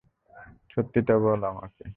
সত্যিটা বল আমাকে।